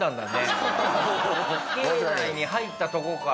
境内に入ったところから。